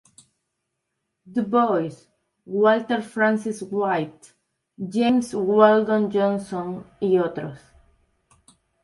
Du Bois, Walter Francis White, James Weldon Johnson y otros.